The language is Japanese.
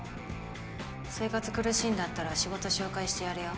生活苦しいんだったら仕事紹介してやるよ。